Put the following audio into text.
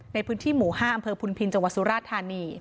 ในพื้นที่หมู่๕อำเภอพุนพินจังหวัดสุราธานี